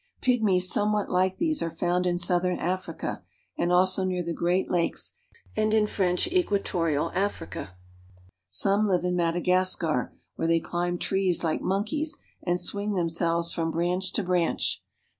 Pygmies somewhat like these are found in southern Africa and also near the great lakes and in the French Kongo. Some live in Madagascar, where they climb trees like monkeys and swing themselves from branch to branch CARP.